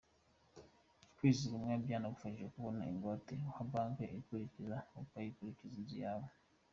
Wizigamye byazanagufasha kubona ingwate uha banki ikakuguriza ukiyubakira inzu yawe.